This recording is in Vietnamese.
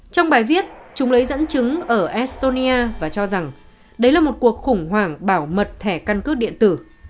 trong bài viết chúng lấy dẫn chứng ở estonia và cho rằng đấy là một cuộc khủng hoảng bảo mật thẻ căn cước điện tử